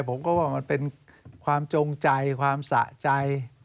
ผมก็ว่ามันเป็นความจงใจความสะใจ